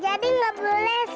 jadi gak boleh saling mencelak